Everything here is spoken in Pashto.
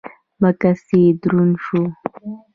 بکس يې دروند شو.